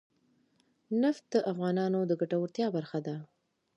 نفت د افغانانو د ګټورتیا برخه ده.